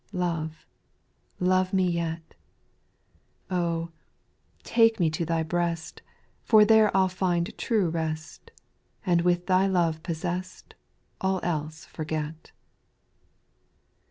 Love, love me yet. SPIRITUAL SONGS. 806 Oh ! take me to Thy breast, For there I '11 find true rest, And with Thy love possessed. All else forget.